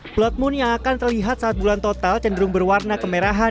cloud moon yang akan terlihat saat bulan total cenderung berwarna kemerahan